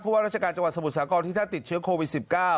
ว่าราชการจังหวัดสมุทรสาครที่ท่านติดเชื้อโควิด๑๙